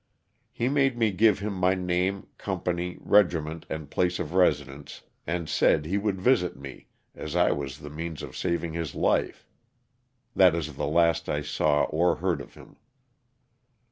He made me give him my name, company, regiment and place of residence, and said he would visit me as I was the means of saving his life — that is the last I saw or heard of him.